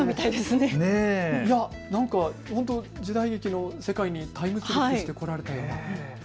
時代劇の世界にタイムスリップしてこられたような。